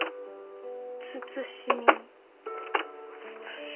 慎み？